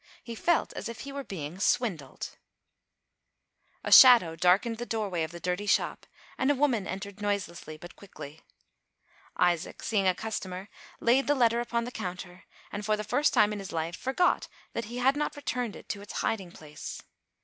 He felt as if he were being swindled. / 54 ALICE ; OR, THE WAGES OF SIN. A shadow darkened the doorway of the dirty shop, and a woman entered noiselessly, but quickly. Isaac, seeing a customer, laid the letter upon the counter, and, for the first time in his life, forgot that he had not returned it to its hiding place.